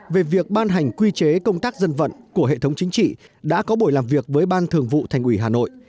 về việc ban hành quy chế công tác dân vận của hệ thống chính trị đã có buổi làm việc với ban thường vụ thành ủy hà nội